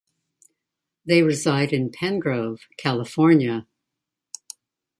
They reside in Penngrove, California.